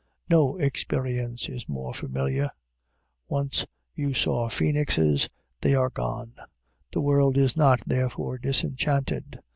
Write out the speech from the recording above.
No experience is more familiar. Once you saw phœnixes: they are gone; the world is not therefore disenchanted.